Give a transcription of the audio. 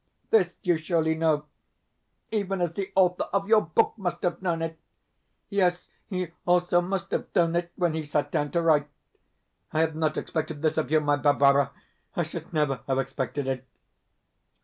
This you surely know, even as the author of your book must have known it. Yes, he also must have known it when he sat down to write. I had not expected this of you, my Barbara. I should never have expected it.